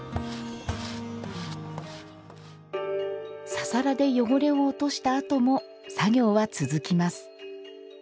ササラで汚れを落としたあとも作業は続きます。